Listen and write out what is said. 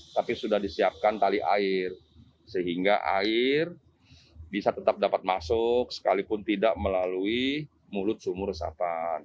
tapi sudah disiapkan tali air sehingga air bisa tetap dapat masuk sekalipun tidak melalui mulut sumur resapan